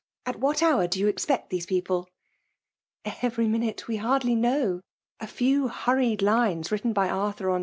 At what hour do you expect these people ?"S¥€vy miiHite; we hardly know. A few hurried lines written by Arthur on.